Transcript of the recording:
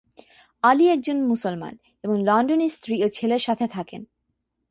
আলী একজন মুসলমান, এবং লন্ডনে স্ত্রী ও ছেলের সাথে থাকেন।